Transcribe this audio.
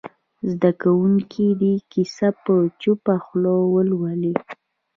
زده کوونکي دې کیسه په چوپه خوله ولولي.